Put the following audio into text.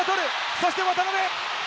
そして渡邊。